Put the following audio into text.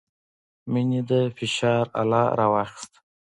مينې د فشار اله راواخيسته.